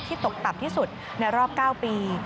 ที่ตกตับที่สุดในรอบ๙ปี